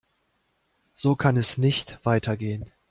So kann es nicht weitergehen.